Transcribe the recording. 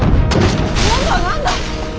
今度は何だ？